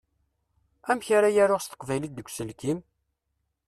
Amek ara yaruɣ s teqbaylit deg uselkim?